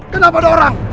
kenapa ada orang